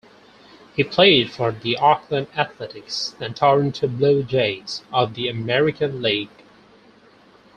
He played for the Oakland Athletics and Toronto Blue Jays of the American League.